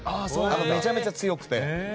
めちゃめちゃ強くて。